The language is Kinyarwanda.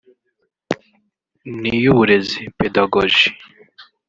n’iy’uburezi (Pédagogie)